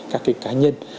các cái cá nhân